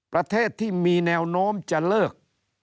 ประเทศที่มีแนวโน้มจะเลิก